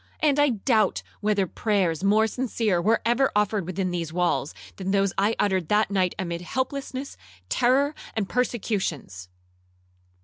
And I doubt whether prayers more sincere were ever offered within these walls, than those I uttered that night amid helplessness, terror, and persecutions!'